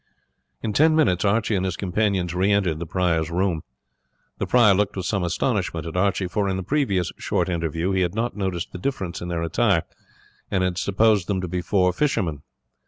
In ten minutes Archie and his companions re entered the prior's room. The prior looked with some astonishment at Archie; for in the previous short interview he had not noticed the difference in their attire, and had supposed them to be four fishermen.